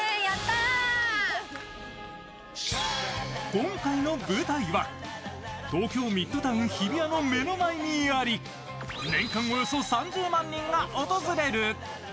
今回の舞台は、東京ミッドタウン日比谷の目の前にあり、年間およそ３０万人が訪れる